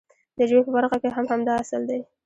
د ژبې په برخه کې هم همدا اصل دی.